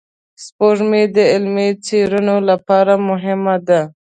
سپوږمۍ د علمي څېړنو لپاره مهمه ده